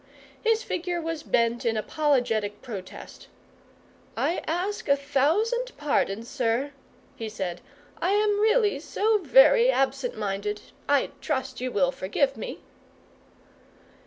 His figure was bent in apologetic protest: "I ask a thousand pardons, sir," he said; "I am really so very absent minded. I trust you will forgive me."